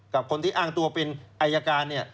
กับคนที่อ้างตัวเป็นอายการเนี่ย